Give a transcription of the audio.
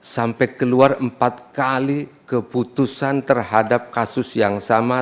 sampai keluar empat kali keputusan terhadap kasus yang sama